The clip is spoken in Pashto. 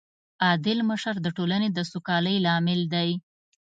عادل مشر د ټولنې د سوکالۍ لامل دی.